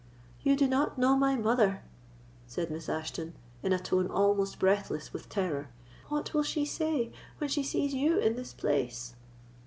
"You do not know my mother," said Miss Ashton, in a tone almost breathless with terror; "what will she say when she sees you in this place!"